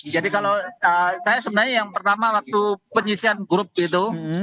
jadi kalau saya sebenarnya yang pertama waktu penyisian grup itu